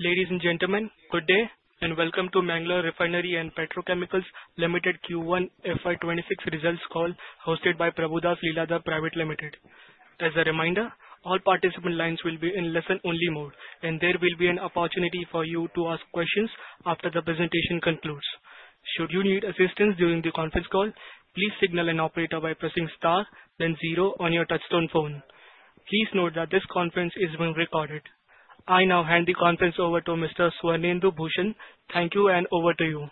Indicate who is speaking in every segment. Speaker 1: Ladies and gentlemen, good day and welcome to Mangalore Refinery and Petrochemicals Limited Q1 FY26 results call hosted by Prabhudas Leeladhar Private Limited. As a reminder, all participant lines will be in listen-only mode, and there will be an opportunity for you to ask questions after the presentation concludes. Should you need assistance during the conference call, please signal an operator by pressing star, then zero on your touch-tone phone. Please note that this conference is being recorded. I now hand the conference over to Mr. Swarnendu Bhushan. Thank you, and over to you.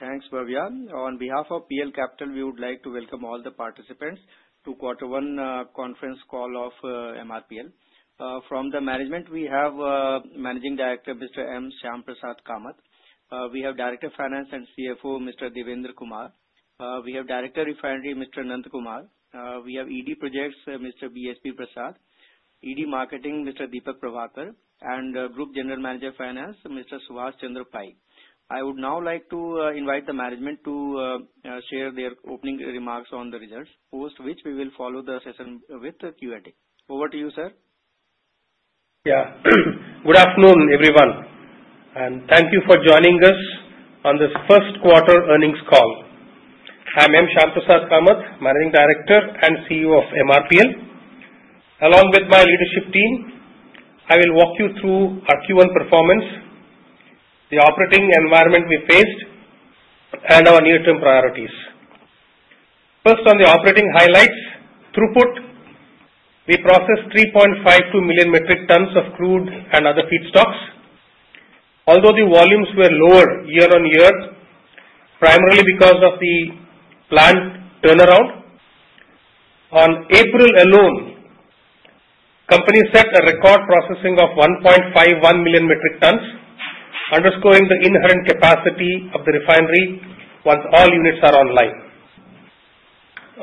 Speaker 2: Thanks, Bhavya. On behalf of PL Capital, we would like to welcome all the participants to Quarter One conference call of MRPL. From the management, we have Managing Director Mr. M. Shyamprasad Kamath. We have Director of Finance and CFO Mr. Devendra Kumar. We have Director of Refinery Mr. Ananth Kumar. We have ED Projects Mr. B.H.V. Prasad, ED Marketing Mr. Deepak Prabhakar, and Group General Manager Finance Mr. Suhas Chandra Pai. I would now like to invite the management to share their opening remarks on the results, post which we will follow the session with Q&A. Over to you, sir.
Speaker 3: Yeah. Good afternoon, everyone. And thank you for joining us on this first quarter earnings call. I'm M. Shyamprasad Kamath, Managing Director and CEO of MRPL. Along with my leadership team, I will walk you through our Q1 performance, the operating environment we faced, and our near-term priorities. First, on the operating highlights, throughput. We processed 3.52 million metric tons of crude and other feedstocks. Although the volumes were lower year on year, primarily because of the plant turnaround, on April alone, the company set a record processing of 1.51 million metric tons, underscoring the inherent capacity of the refinery once all units are online.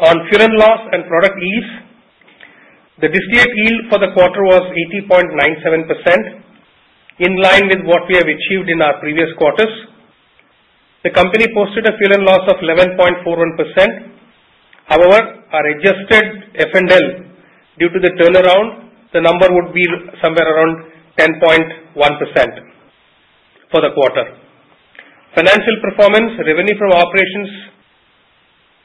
Speaker 3: On fuel and loss and product yields, the distillate yield for the quarter was 80.97%, in line with what we have achieved in our previous quarters. The company posted a fuel and loss of 11.41%. However, our adjusted F&L, due to the turnaround, the number would be somewhere around 10.1% for the quarter. Financial performance, revenue from operations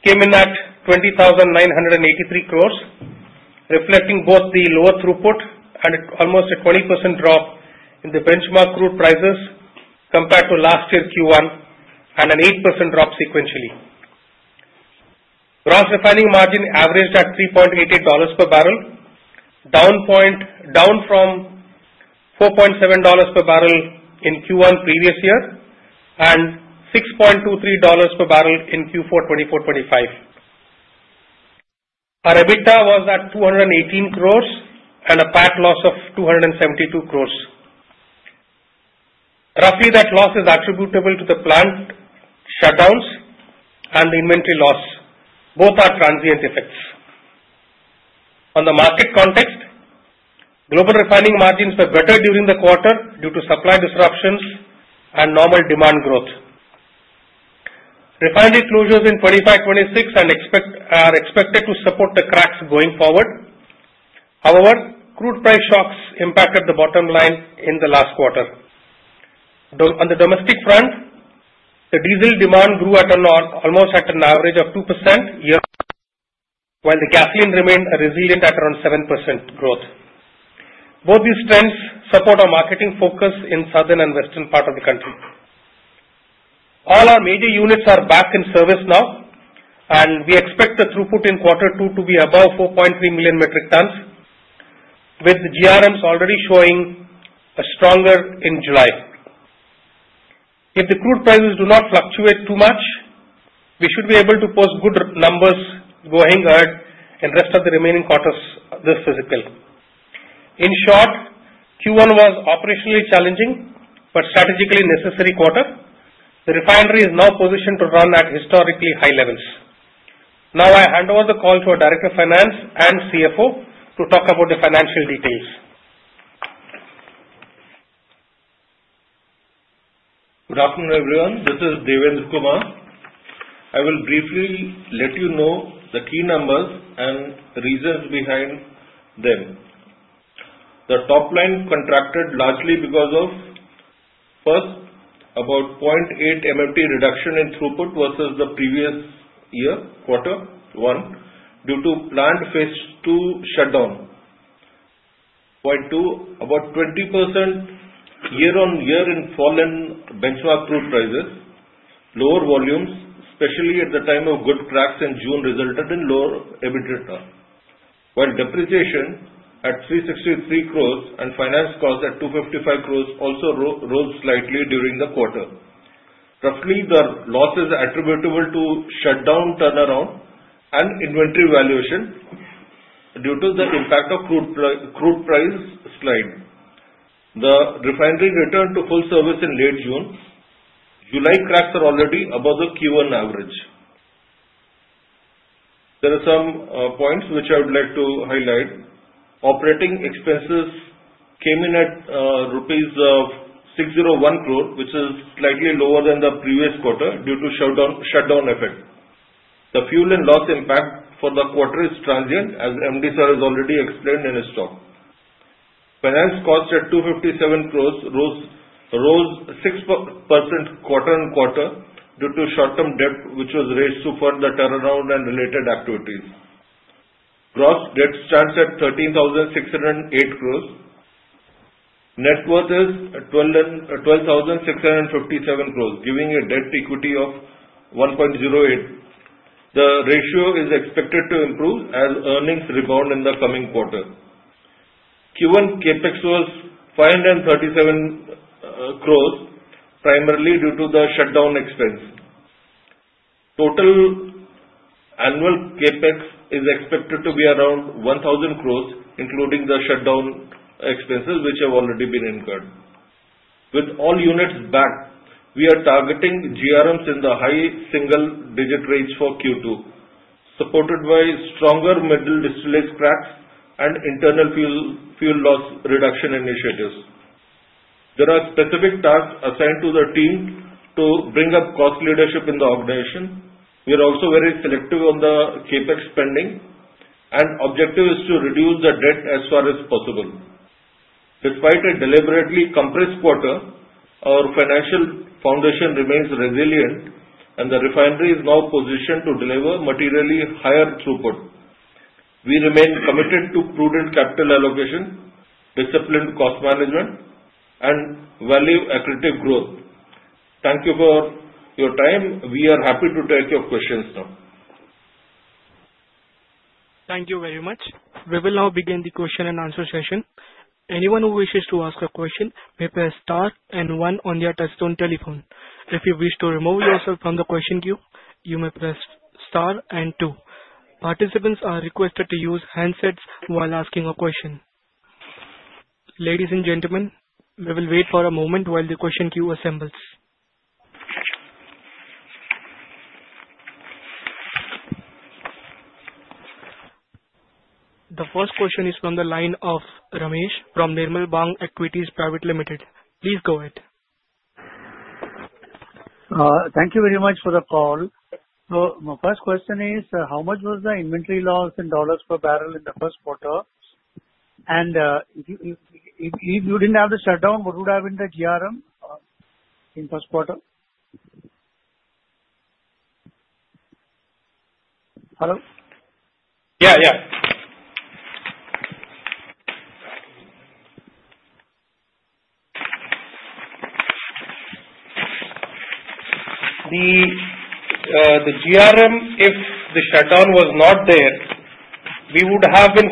Speaker 3: came in at 20,983 crores, reflecting both the lower throughput and almost a 20% drop in the benchmark crude prices compared to last year's Q1, and an 8% drop sequentially. Gross refining margin averaged at $3.88 per barrel, down from $4.70 per barrel in Q1 previous year and $6.23 per barrel in Q4 FY25. Our EBITDA was at 218 crores and a PAT loss of 272 crores. Roughly, that loss is attributable to the plant shutdowns and the inventory loss. Both are transient effects. On the market context, global refining margins were better during the quarter due to supply disruptions and normal demand growth. Refinery closures in FY26 are expected to support the cracks going forward. However, crude price shocks impacted the bottom line in the last quarter. On the domestic front, the diesel demand grew at almost an average of 2% year, while the gasoline remained resilient at around 7% growth. Both these trends support our marketing focus in the southern and western part of the country. All our major units are back in service now, and we expect the throughput in Quarter Two to be above 4.3 million metric tons, with GRMs already showing a stronger in July. If the crude prices do not fluctuate too much, we should be able to post good numbers going ahead in the rest of the remaining quarters this fiscal. In short, Q1 was operationally challenging but strategically necessary quarter. The refinery is now positioned to run at historically high levels. Now, I hand over the call to our Director of Finance and CFO to talk about the financial details.
Speaker 4: Good afternoon, everyone. This is Devendra Kumar. I will briefly let you know the key numbers and reasons behind them. The top line contracted largely because of, first, about 0.8 MMT reduction in throughput versus the previous year, Quarter One, due to plant phase two shutdown. Point two, about 20% year on year in fall in benchmark crude prices. Lower volumes, especially at the time of good cracks in June, resulted in lower EBITDA, while depreciation at 363 crores and finance costs at 255 crores also rose slightly during the quarter. Roughly, the loss is attributable to shutdown turnaround and inventory valuation due to the impact of crude price slide. The refinery returned to full service in late June. July cracks are already above the Q1 average. There are some points which I would like to highlight. Operating expenses came in at 601 crore rupees, which is slightly lower than the previous quarter due to shutdown effect. The fuel and loss impact for the quarter is transient, as MD sir has already explained in his talk. Finance costs at 257 crores rose 6% quarter on quarter due to short-term debt, which was raised to fund the turnaround and related activities. Gross debt stands at 13,608 crores. Net worth is 12,657 crores, giving a debt equity of 1.08. The ratio is expected to improve as earnings rebound in the coming quarter. Q1 CAPEX was 537 crores, primarily due to the shutdown expense. Total annual CAPEX is expected to be around 1,000 crores, including the shutdown expenses, which have already been incurred. With all units back, we are targeting GRMs in the high single-digit range for Q2, supported by stronger middle distillate cracks and internal fuel loss reduction initiatives. There are specific tasks assigned to the team to bring up cost leadership in the organization. We are also very selective on the CapEx spending, and the objective is to reduce the debt as far as possible. Despite a deliberately compressed quarter, our financial foundation remains resilient, and the refinery is now positioned to deliver materially higher throughput. We remain committed to prudent capital allocation, disciplined cost management, and value-accretive growth. Thank you for your time. We are happy to take your questions now.
Speaker 1: Thank you very much. We will now begin the question and answer session. Anyone who wishes to ask a question may press star and one on their touch-tone telephone. If you wish to remove yourself from the question queue, you may press star and two. Participants are requested to use handsets while asking a question. Ladies and gentlemen, we will wait for a moment while the question queue assembles. The first question is from the line of Ramesh from Nirmal Bang Equities Private Limited. Please go ahead.
Speaker 5: Thank you very much for the call. So my first question is, how much was the inventory loss in $ per barrel in the first quarter? And if you didn't have the shutdown, what would have been the GRM in the first quarter? Hello?
Speaker 3: Yeah, yeah. The GRM, if the shutdown was not there, we would have been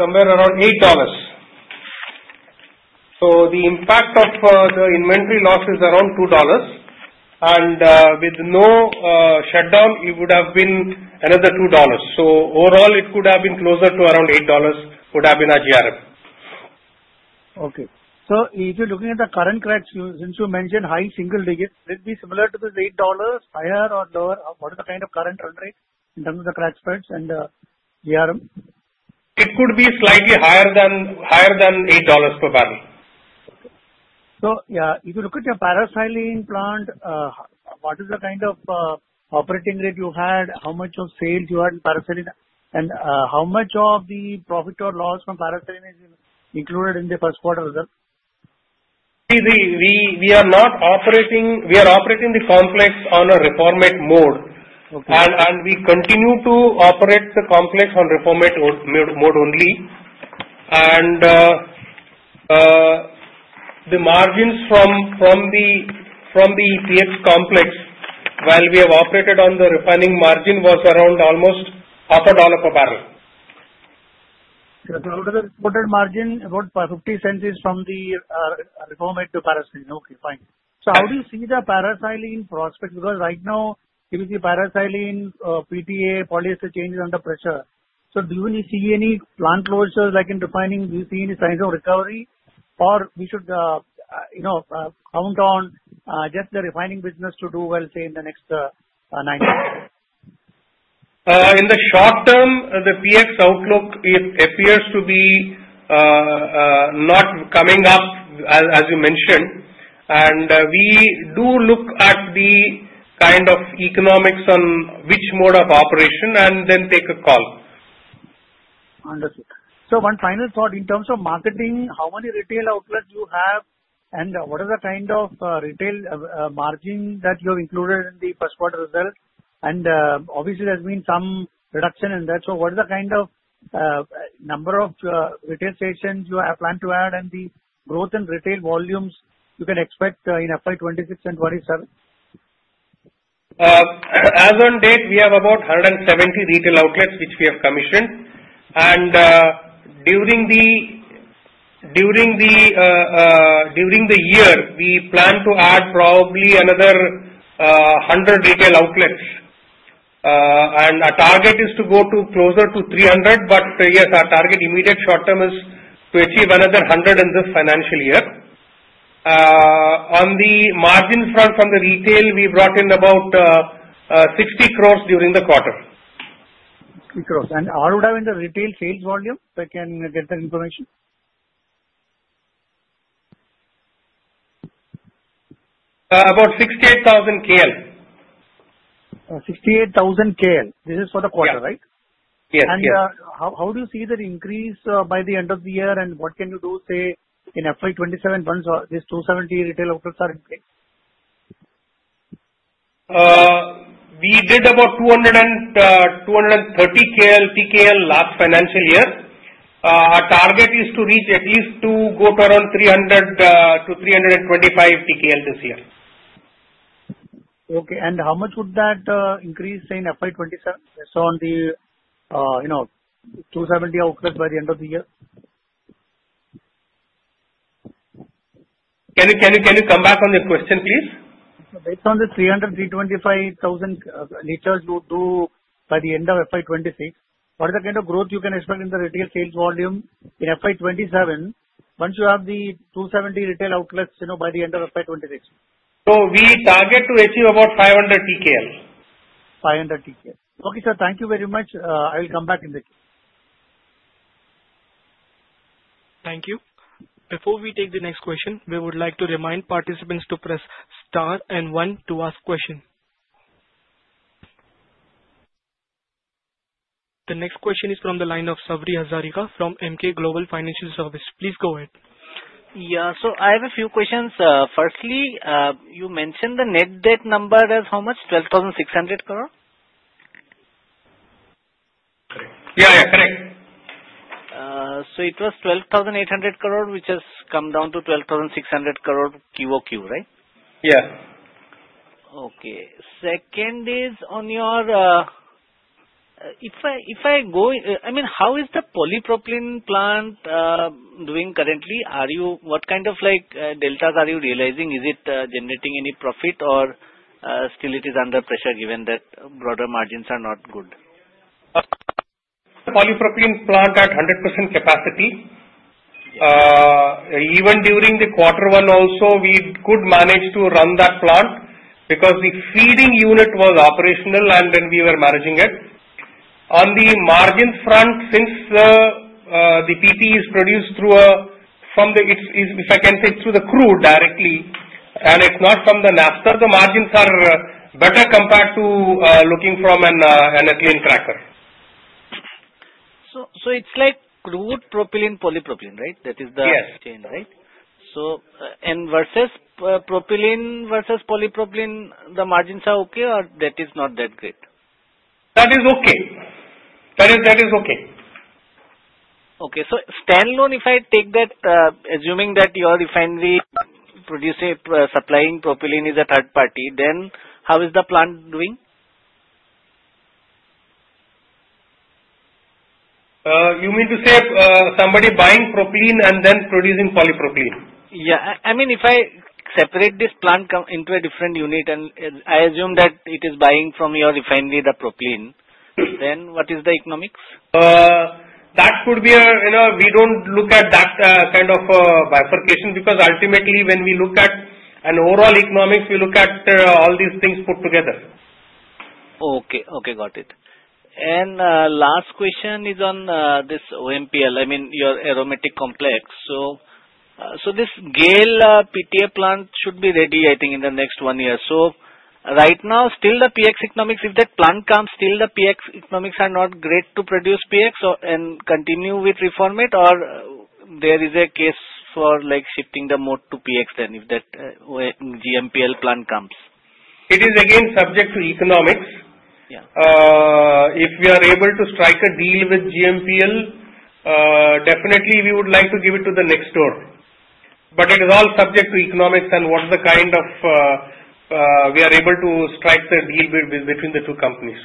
Speaker 3: somewhere around $8. So the impact of the inventory loss is around $2. And with no shutdown, it would have been another $2. So overall, it could have been closer to around $8 would have been our GRM.
Speaker 5: Okay. So if you're looking at the current cracks, since you mentioned high single digits, would it be similar to this $8 higher or lower? What is the kind of current run rate in terms of the cracks price and GRM?
Speaker 3: It could be slightly higher than $8 per barrel.
Speaker 5: Okay. So yeah, if you look at your paraxylene plant, what is the kind of operating rate you had? How much of sales you had in paraxylene? And how much of the profit or loss from paraxylene is included in the first quarter result?
Speaker 3: We are not operating the complex on a reformate mode. And we continue to operate the complex on reformate mode only. And the margins from the PX complex, while we have operated on the refining margin, was around almost $0.50 per barrel.
Speaker 5: The reported margin about $0.50 is from the reformate to paraxylene. Okay, fine. How do you see the paraxylene prospects? Because right now, if you see paraxylene, PTA, polyester chain under pressure, so do you see any plant closures like in refining? Do you see any signs of recovery? Or should we count on just the refining business to do well, say, in the next nine years?
Speaker 3: In the short term, the PX outlook appears to be not coming up, as you mentioned. And we do look at the kind of economics on which mode of operation and then take a call.
Speaker 5: Understood. So one final thought. In terms of marketing, how many retail outlets do you have? And what is the kind of retail margin that you have included in the first quarter result? And obviously, there's been some reduction in that. So what is the kind of number of retail stations you have planned to add? And the growth in retail volumes you can expect in FY 2026 and 2027?
Speaker 3: As of date, we have about 170 retail outlets which we have commissioned, and during the year, we plan to add probably another 100 retail outlets, and our target is to go closer to 300, but yes, our target immediate short term is to achieve another 100 in this financial year. On the margin front from the retail, we brought in about 60 crores during the quarter. 60 crores. And how would have been the retail sales volume? If I can get that information. About 68,000 KL.
Speaker 5: 68,000 KL. This is for the quarter, right?
Speaker 3: Yes.
Speaker 5: And how do you see that increase by the end of the year? And what can you do, say, in FY 27 once these 270 retail outlets are in place?
Speaker 3: We did about 230 KL, TKL last financial year. Our target is to reach at least to go to around 300 to 325 TKL this year.
Speaker 5: Okay. And how much would that increase, say, in FY 2027, so on the 270 outlets by the end of the year?
Speaker 3: Can you come back on the question, please?
Speaker 5: So based on the 325,000 liters you would do by the end of FY 26, what is the kind of growth you can expect in the retail sales volume in FY 27 once you have the 270 retail outlets by the end of FY 26?
Speaker 3: We target to achieve about 500 TKL.
Speaker 5: 500 TKL. Okay, sir. Thank you very much. I will come back in the queue.
Speaker 1: Thank you. Before we take the next question, we would like to remind participants to press star and one to ask question. The next question is from the line of Sabri Hazarika from Emkay Global Financial Services. Please go ahead.
Speaker 6: Yeah. So I have a few questions. Firstly, you mentioned the net debt number as how much? 12,600 crore?
Speaker 3: Yeah, yeah. Correct.
Speaker 6: So it was 12,800 crore, which has come down to 12,600 crore QOQ, right?
Speaker 3: Yeah.
Speaker 6: Okay. Second is on your, I mean, how is the polypropylene plant doing currently? What kind of deltas are you realizing? Is it generating any profit, or still it is under pressure given that broader margins are not good?
Speaker 3: Polypropylene plant at 100% capacity. Even during the quarter one also, we could manage to run that plant because the feeding unit was operational, and then we were managing it. On the margin front, since the PTA is produced, if I can say, through the crude directly, and it's not from the Naphtha, the margins are better compared to looking from an ethylene cracker.
Speaker 6: So it's like crude-propylene-polypropylene, right? That is the change, right?
Speaker 3: Yes.
Speaker 6: Versus propylene versus polypropylene, the margins are okay, or that is not that great?
Speaker 3: That is okay. That is okay.
Speaker 6: Okay, so standalone, if I take that, assuming that your refinery supplying propylene is a third party, then how is the plant doing?
Speaker 3: You mean to say somebody buying propylene and then producing polypropylene?
Speaker 6: Yeah. I mean, if I separate this plant into a different unit, and I assume that it is buying from your refinery the propylene, then what is the economics?
Speaker 3: That could be. We don't look at that kind of bifurcation because ultimately, when we look at an overall economics, we look at all these things put together.
Speaker 6: And last question is on this OMPL. I mean, your aromatic complex. So this GAIL PTA plant should be ready, I think, in the next one year. So right now, still the PX economics, if that plant comes, still the PX economics are not great to produce PX and continue with reformate, or there is a case for shifting the mode to PX then if that GMPL plant comes?
Speaker 3: It is again subject to economics. If we are able to strike a deal with GMPL, definitely we would like to give it to the next door. But it is all subject to economics and what kind of deal we are able to strike between the two companies.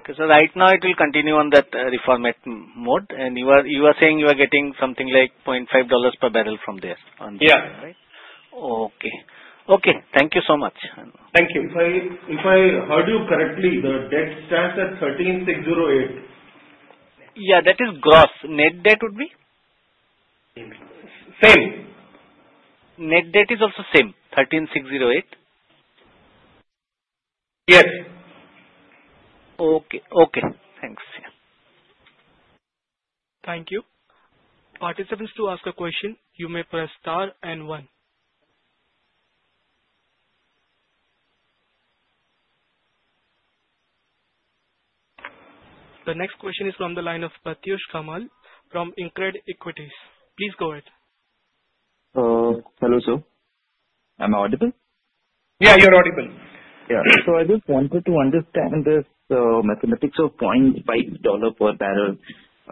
Speaker 6: Okay. So right now, it will continue on that reformate mode. And you are saying you are getting something like $0.05 per barrel from there, right?
Speaker 3: Yeah.
Speaker 6: Okay. Okay. Thank you so much.
Speaker 3: Thank you. If I heard you correctly, the debt stands at 13,608.
Speaker 6: Yeah. That is gross. Net debt would be?
Speaker 3: Same.
Speaker 6: Net debt is also same, 13,608?
Speaker 3: Yes.
Speaker 6: Okay. Okay. Thanks. Yeah.
Speaker 1: Thank you. Participants, to ask a question, you may press star and one. The next question is from the line of Pratyush Kamal from InCred Equities. Please go ahead.
Speaker 7: Hello, sir. Am I audible?
Speaker 3: Yeah, you're audible.
Speaker 7: Yeah. So I just wanted to understand this mathematics of $0.05 per barrel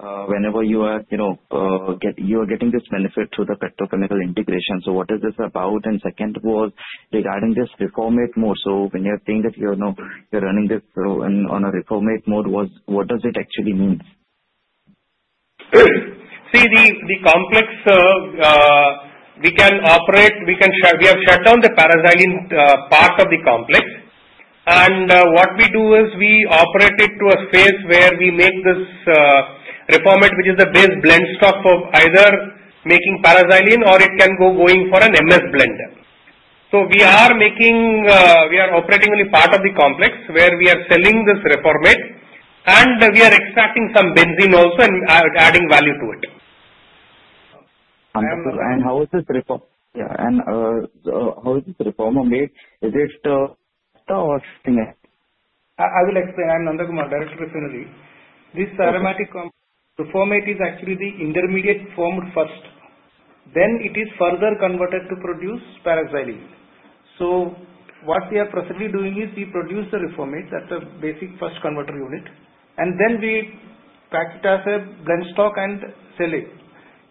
Speaker 7: whenever you are getting this benefit through the petrochemical integration. So what is this about? And second was regarding this reformate mode. So when you're saying that you're running this on a reformate mode, what does it actually mean?
Speaker 3: See, the complex we can operate. We have shut down the paraxylene part of the complex. And what we do is we operate it to a phase where we make this reformate, which is the base blend stock for either making paraxylene or it can go for an MS blender. So we are operating only part of the complex where we are selling this reformate, and we are extracting some benzene also and adding value to it.
Speaker 7: How is this reformate? Yeah. How is this reformer made? Is it a factor or something else?
Speaker 3: I will explain. I'm Nandakumar, Director of Refinery. This aromatic reformate is actually the intermediate formed first. Then it is further converted to produce paraxylene. So what we are presently doing is we produce the reformate at a basic first converter unit, and then we pack it as a blend stock and sell it.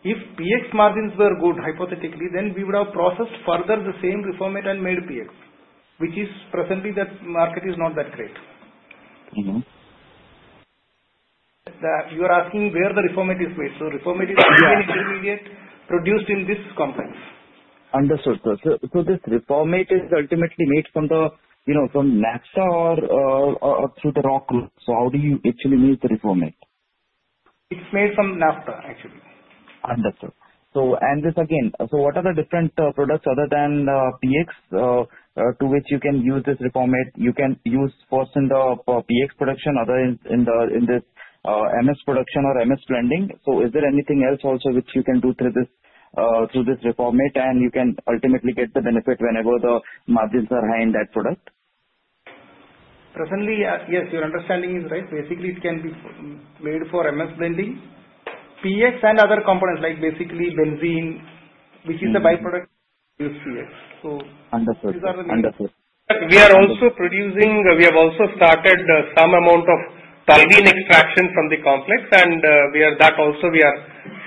Speaker 3: If PX margins were good, hypothetically, then we would have processed further the same reformate and made PX, which is presently that market is not that great. You are asking where the reformate is made. So reformate is made in intermediate produced in this complex.
Speaker 7: Understood. This reformate is ultimately made from the naphtha or through the reformer? How do you actually make the reformate?
Speaker 3: It's made from Naphtha, actually.
Speaker 7: Understood. And this again, so what are the different products other than PX to which you can use this reformate? You can use first in the PX production, other in this MS production or MS blending. So is there anything else also which you can do through this reformate, and you can ultimately get the benefit whenever the margins are high in that product?
Speaker 3: Presently, yes, your understanding is right. Basically, it can be made for MS blending. PX and other components, like basically benzene, which is a byproduct to use PX. So these are the main ones. We have also started some amount of toluene extraction from the complex, and that also we are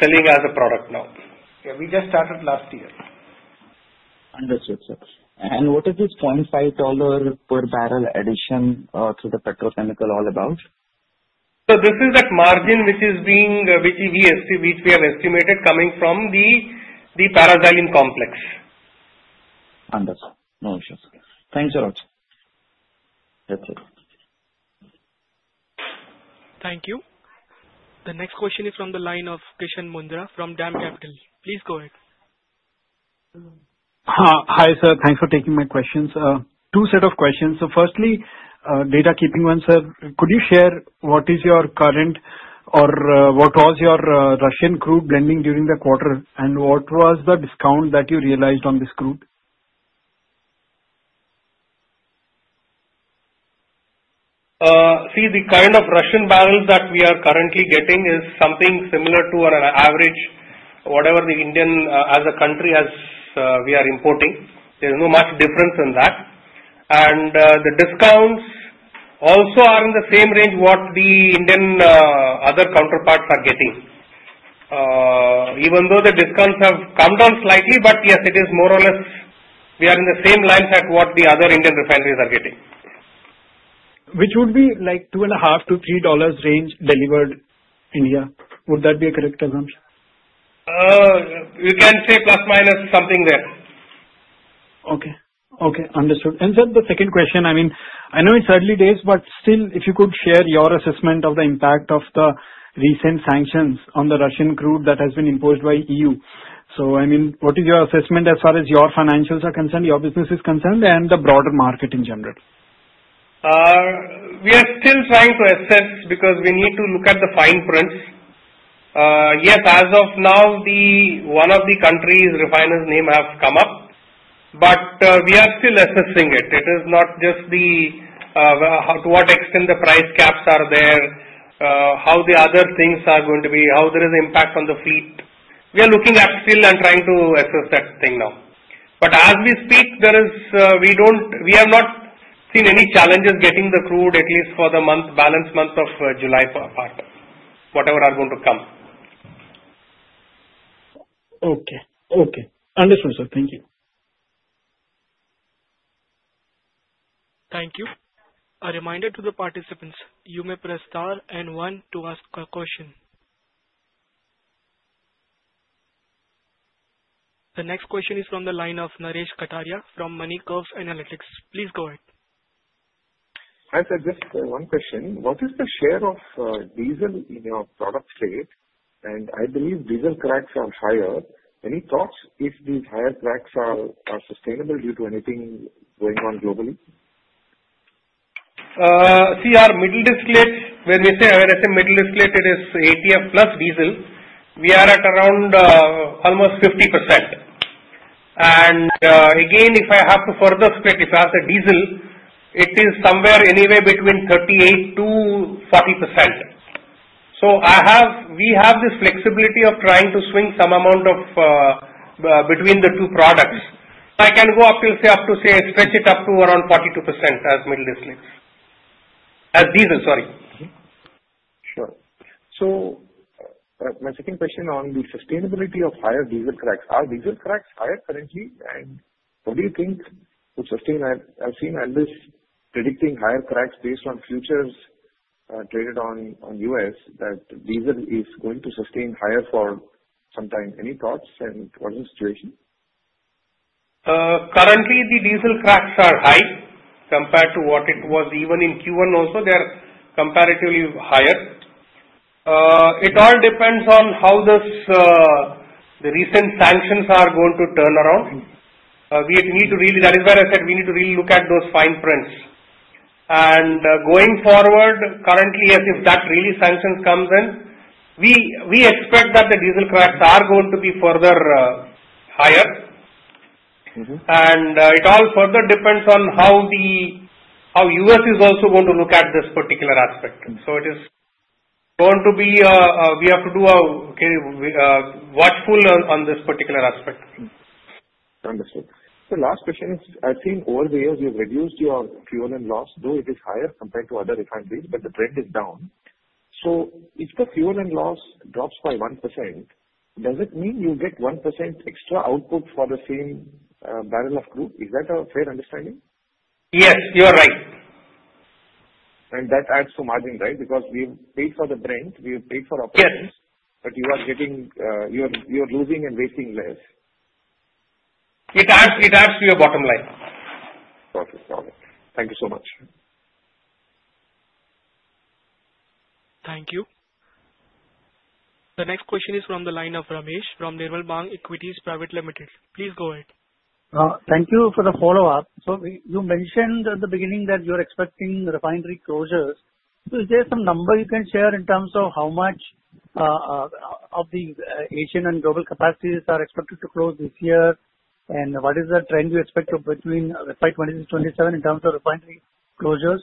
Speaker 3: selling as a product now. Yeah. We just started last year.
Speaker 7: Understood. What is this $0.05 per barrel addition to the petrochemical all about?
Speaker 3: This is that margin which we have estimated coming from the paraxylene complex.
Speaker 7: Understood. No issues. Thank you so much. That's it.
Speaker 1: Thank you. The next question is from the line of Krishan Mundra from DAM Capital. Please go ahead.
Speaker 8: Hi, sir. Thanks for taking my questions. Two sets of questions. Firstly, the first one, sir. Could you share what is your current or what was your Russian crude blending during the quarter, and what was the discount that you realized on this crude?
Speaker 3: See, the kind of Russian barrels that we are currently getting is something similar to an average, whatever the Indian as a country as we are importing. There is no much difference in that. And the discounts also are in the same range what the Indian other counterparts are getting. Even though the discounts have come down slightly, but yes, it is more or less we are in the same lines at what the other Indian refineries are getting.
Speaker 8: Which would be like $2.5-$3 range delivered in India. Would that be a correct assumption?
Speaker 3: You can say plus minus something there.
Speaker 8: Okay. Okay. Understood. And sir, the second question, I mean, I know it's early days, but still, if you could share your assessment of the impact of the recent sanctions on the Russian crude that has been imposed by EU? So I mean, what is your assessment as far as your financials are concerned, your business is concerned, and the broader market in general?
Speaker 3: We are still trying to assess because we need to look at the fine print. Yes, as of now, one of the country's refiners' names have come up, but we are still assessing it. It is not just to what extent the price caps are there, how the other things are going to be, how there is impact on the fleet. We are looking at still and trying to assess that thing now. But as we speak, we have not seen any challenges getting the crude, at least for the balance month of July part, whatever are going to come.
Speaker 8: Okay. Okay. Understood, sir. Thank you.
Speaker 1: Thank you. A reminder to the participants. You may press star and one to ask a question. The next question is from the line of Naresh Kataria from MoneyCurves Analytics. Please go ahead.
Speaker 9: Hi, sir. Just one question. What is the share of diesel in your product rate? And I believe diesel cracks are higher. Any thoughts if these higher cracks are sustainable due to anything going on globally?
Speaker 3: See, our middle distillate, when I say middle distillate, it is ATF plus diesel. We are at around almost 50%. And again, if I have to further split, if I have the diesel, it is somewhere anyway between 38%-40%. So we have this flexibility of trying to swing some amount between the two products. I can go up to say, stretch it up to around 42% as middle distillate. As diesel, sorry.
Speaker 9: Sure. So my second question on the sustainability of higher diesel cracks. Are diesel cracks higher currently? And what do you think would sustain? I've seen at least predicting higher cracks based on futures traded on U.S. that diesel is going to sustain higher for some time. Any thoughts and what is the situation?
Speaker 3: Currently, the diesel cracks are high compared to what it was even in Q1 also. They are comparatively higher. It all depends on how the recent sanctions are going to turn around. We need to really, that is why I said, we need to really look at those fine prints, and going forward, currently, as if the real sanctions come in, we expect that the diesel cracks are going to be further higher, and it all further depends on how the U.S. is also going to look at this particular aspect, so it is going to be we have to do a watchful on this particular aspect.
Speaker 9: Understood. The last question is, I've seen over the years you've reduced your fuel and loss, though it is higher compared to other refineries, but the trend is down. So if the fuel and loss drops by 1%, does it mean you get 1% extra output for the same barrel of crude? Is that a fair understanding?
Speaker 3: Yes. You are right.
Speaker 9: That adds to margin, right? Because we paid for the brand, we paid for operations, but you are losing and wasting less.
Speaker 3: It adds to your bottom line.
Speaker 9: Got it. Got it. Thank you so much.
Speaker 1: Thank you. The next question is from the line of Ramesh from Nirmal Bang Equities Private Limited. Please go ahead.
Speaker 10: Thank you for the follow-up. So you mentioned at the beginning that you are expecting refinery closures. Is there some number you can share in terms of how much of the Asian and global capacities are expected to close this year? And what is the trend you expect between 2026, 2027 in terms of refinery closures?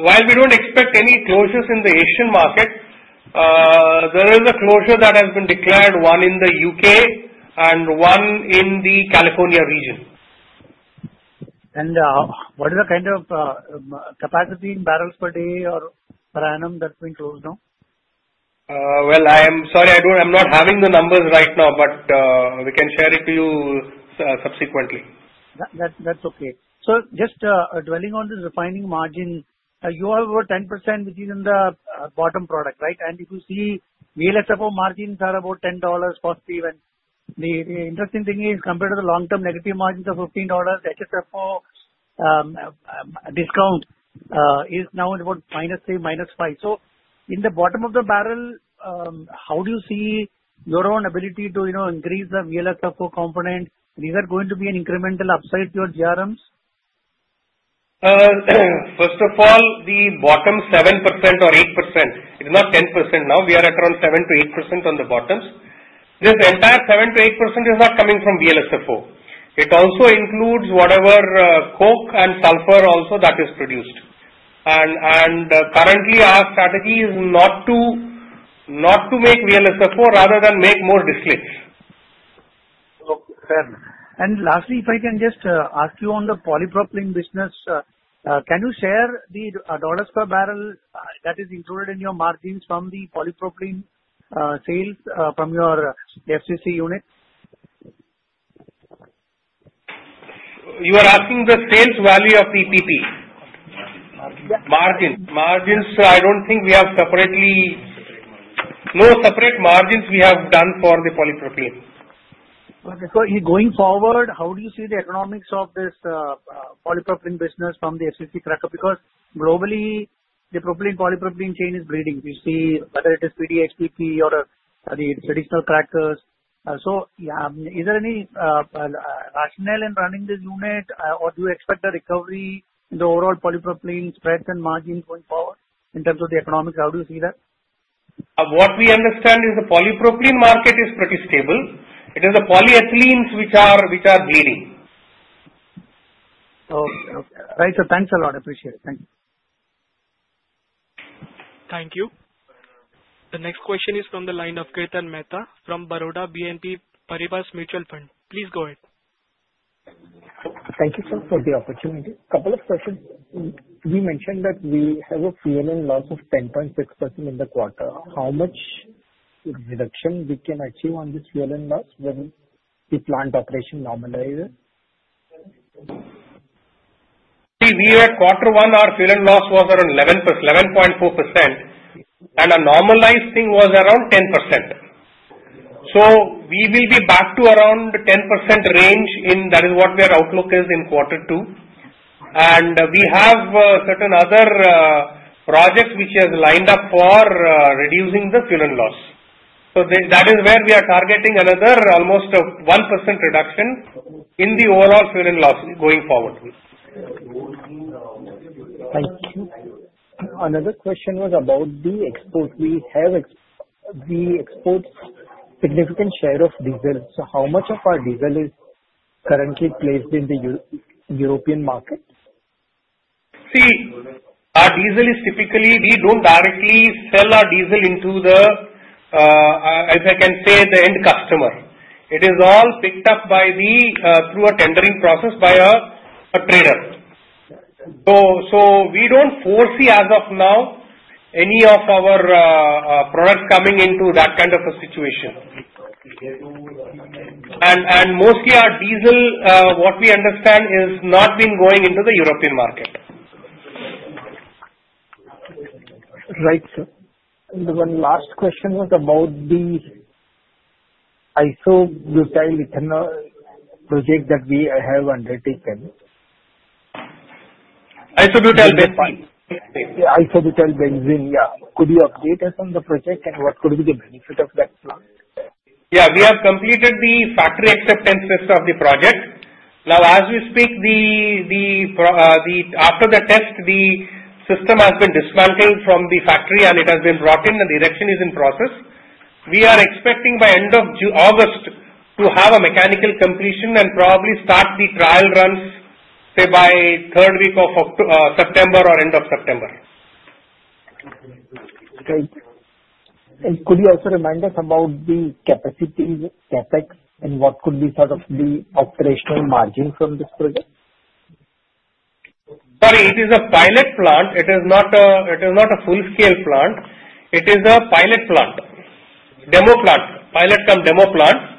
Speaker 3: While we don't expect any closures in the Asian market, there is a closure that has been declared, one in the U.K. and one in the California region.
Speaker 10: What is the kind of capacity in barrels per day or per annum that's being closed down?
Speaker 3: I am sorry, I'm not having the numbers right now, but we can share it to you subsequently.
Speaker 10: That's okay. So just dwelling on this refining margin, you are over 10% which is in the bottom product, right? And if you see VLSFO margins are about $10 positive. And the interesting thing is compared to the long-term negative margins of $15, HSFO discount is now about $3-$5. So in the bottom of the barrel, how do you see your own ability to increase the VLSFO component? These are going to be an incremental upside to your GRMs?
Speaker 3: First of all, the bottom 7% or 8%. It is not 10% now. We are at around 7%-8% on the bottoms. This entire 7%-8% is not coming from VLSFO. It also includes whatever coke and sulfur also that is produced. Currently, our strategy is not to make VLSFO rather than make more distillates.
Speaker 10: Okay. Fair. And lastly, if I can just ask you on the polypropylene business, can you share the $ per barrel that is included in your margins from the polypropylene sales from your FCC unit?
Speaker 3: You are asking the sales value of the PP? Margins. Margins. So I don't think we have separately no separate margins we have done for the polypropylene.
Speaker 10: Okay. So going forward, how do you see the economics of this polypropylene business from the FCC cracker? Because globally, the propylene-polypropylene chain is bleeding. You see whether it is PDHPP or the traditional crackers. So is there any rationale in running this unit, or do you expect the recovery in the overall polypropylene spreads and margins going forward in terms of the economics? How do you see that?
Speaker 3: What we understand is the polypropylene market is pretty stable. It is the polyethylenes which are bleeding.
Speaker 10: Okay. Okay. Right. So thanks a lot. Appreciate it. Thank you.
Speaker 1: Thank you. The next question is from the line of Kirtan Mehta from Baroda BNP Paribas Mutual Fund. Please go ahead.
Speaker 11: Thank you, sir, for the opportunity. A couple of questions. We mentioned that we have a Fuel and Loss of 10.6% in the quarter. How much reduction we can achieve on this Fuel and Loss when the plant operation normalizes?
Speaker 3: See, we were quarter one, our fuel and loss was around 11.4%, and our normalized thing was around 10%, so we will be back to around 10% range. That is what we are outlooking in quarter two, and we have certain other projects which have lined up for reducing the fuel and loss, so that is where we are targeting another almost 1% reduction in the overall fuel and loss going forward.
Speaker 10: Thank you. Another question was about the export. We have the export significant share of diesel. So how much of our diesel is currently placed in the European market?
Speaker 3: See, our diesel is typically we don't directly sell our diesel into the, as I can say, the end customer. It is all picked up through a tendering process by a trader. So we don't foresee as of now any of our products coming into that kind of a situation. And mostly, our diesel, what we understand, is not been going into the European market.
Speaker 10: Right, sir. And one last question was about the isobutyl benzene project that we have undertaken.
Speaker 3: Isobutyl benzene?
Speaker 10: Yeah, isobutyl benzene. Yeah. Could you update us on the project and what could be the benefit of that plant?
Speaker 3: Yeah. We have completed the factory acceptance test of the project. Now, as we speak, after the test, the system has been dismantled from the factory, and it has been brought in, and the erection is in process. We are expecting by end of August to have a mechanical completion and probably start the trial runs, say, by third week of September or end of September.
Speaker 10: Thank you, and could you also remind us about the capacity CapEx and what could be sort of the operational margin from this project?
Speaker 3: Sorry, it is a pilot plant. It is not a full-scale plant. It is a pilot plant, demo plant, pilot come demo plant.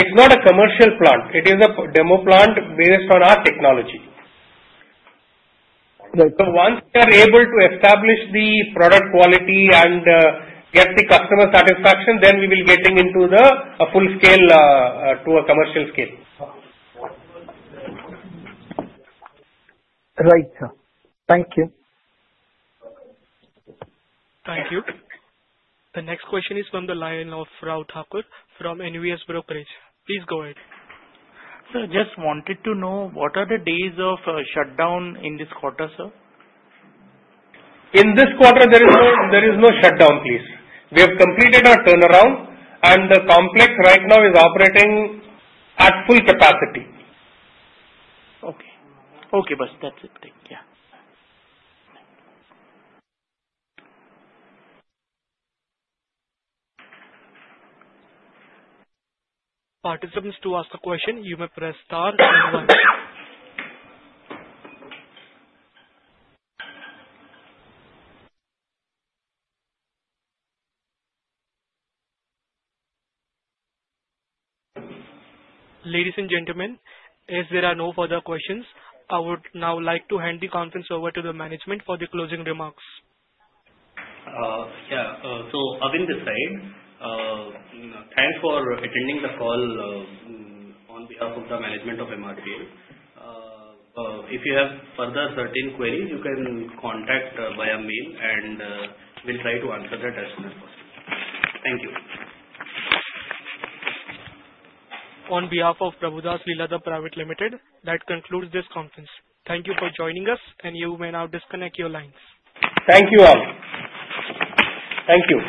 Speaker 3: It's not a commercial plant. It is a demo plant based on our technology. So once we are able to establish the product quality and get the customer satisfaction, then we will get into the full-scale to a commercial scale.
Speaker 10: Right, sir. Thank you.
Speaker 1: Thank you. The next question is from the line of Rao Thakur from NVS Brokerage. Please go ahead.
Speaker 12: Sir, just wanted to know what are the days of shutdown in this quarter, sir?
Speaker 3: In this quarter, there is no shutdown, please. We have completed our turnaround, and the complex right now is operating at full capacity.
Speaker 12: Okay. Okay, boss. That's it. Thank you.
Speaker 1: Participants, to ask a question, you may press star and one. Ladies and gentlemen, as there are no further questions, I would now like to hand the conference over to the management for the closing remarks.
Speaker 13: Yeah. So having said that, thanks for attending the call on behalf of the management of MRPL. If you have further certain queries, you can contact via mail, and we'll try to answer that as soon as possible. Thank you.
Speaker 1: On behalf of Prabhudas Leeladhar Private Limited, that concludes this conference. Thank you for joining us, and you may now disconnect your lines.
Speaker 3: Thank you all. Thank you.